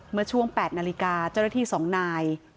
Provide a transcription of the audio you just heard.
เมื่อช่วง๘นาฬิกาเจ้าหน้าที่๒นาย